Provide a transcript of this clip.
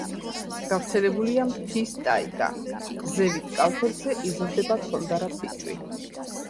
გავრცელებულია მთის ტაიგა; ზევით კალთებზე იზრდება ქონდარა ფიჭვი.